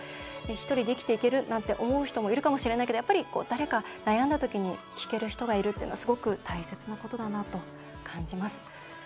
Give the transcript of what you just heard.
一人で生きていけるなんて思う人もいるかもしれないけどやっぱり誰か、悩んだ時に聞ける人がいるっていうのはすごく大切なことだなと感じます。